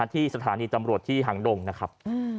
ที่สถานีตำรวจที่หางดงนะครับ